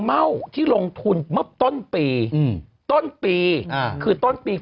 อึกอึกอึกอึกอึกอึก